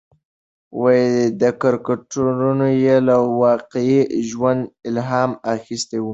کرکټرونه یې له واقعي ژوند الهام اخیستی و.